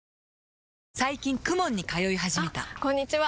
最近 ＫＵＭＯＮ に通い始めたあこんにちは！